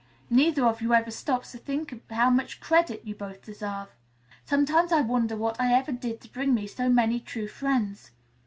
Neither of you ever stops to think how much credit you both deserve. Sometimes I wonder what I ever did to bring me so many true friends.